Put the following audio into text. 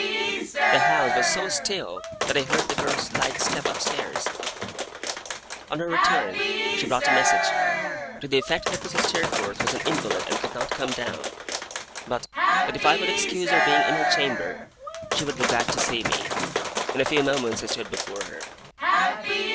The house was so still that I heard the girl's light step upstairs. On her return, she brought a message, to the effect that Mrs. Steerforth was an invalid and could not come down; but that if I would excuse her being in her chamber, she would be glad to see me. In a few moments I stood before her.